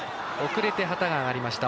遅れて旗が上がりました。